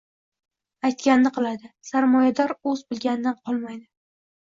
Aytg‘anini qiladi, sarmoyador o‘z bilg‘anidan qolmaydi